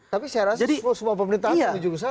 tapi saya rasa semua pemerintah harus menuju ke sana